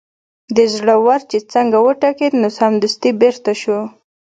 د زړه ور چې څنګه وټکېد نو سمدستي بېرته شو.